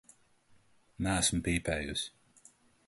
Neesmu pīpējusi.